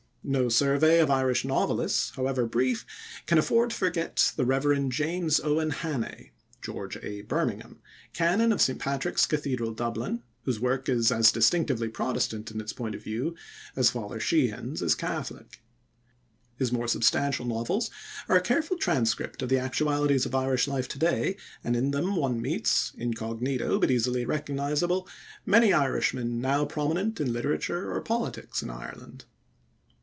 No survey of Irish novelists, however brief, can afford to forget the Rev. James Owen Hannay ("George A. Birmingham"), canon of St. Patrick's Cathedral, Dublin, whose work is as distinctively Protestant in its point of view as Father Sheehan's is Catholic. His more substantial novels are a careful transcript of the actualities of Irish life today, and in them one meets, incognito but easily recognizable, many Irishmen now prominent in literature or politics in Ireland.